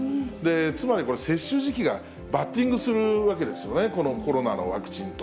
つまり、これ、接種時期がバッティングするわけですよね、このコロナのワクチンと。